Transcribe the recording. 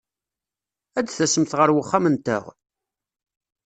Ad tasemt ɣer wexxam-nteɣ?